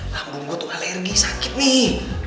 lambung gue tuh alergi sakit nih